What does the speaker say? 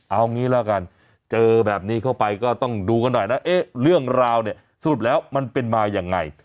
เอางี้ละกันเจอแบบนี้เข้าไปก็ต้องดูกันหน่อยนะเอ๊ะเรื่องราวเนี่ยสรุปแล้วมันเป็นมายังไง